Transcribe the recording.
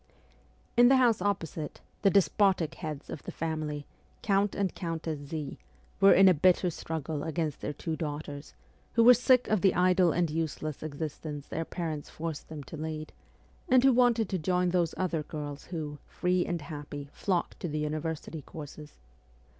In the house opposite, the despotic heads of the family, Count and Countess Z , were in a bitter struggle against their two daughters, who were sick of the idle and useless existence their parents forced them to lead, and who wanted to join those other girls who, free and happy, flocked to the university courses.